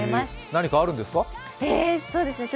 何かあるんですか？